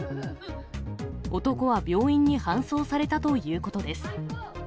男は病院に搬送されたということです。